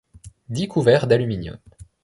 dix couverts d’aluminium.